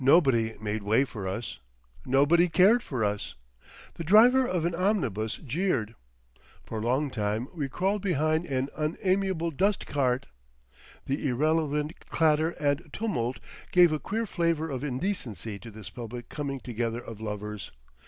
Nobody made way for us, nobody cared for us; the driver of an omnibus jeered; for a long time we crawled behind an unamiable dust cart. The irrelevant clatter and tumult gave a queer flavour of indecency to this public coming together of lovers.